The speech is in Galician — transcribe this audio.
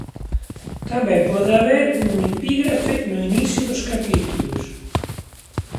Tamén pode haber un epígrafe no inicio dos capítulos.